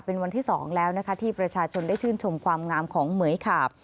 เป็นวันที่๒แล้วนะคะที่ประชาชนได้ชื่นชมความงามของเหมือยขาบ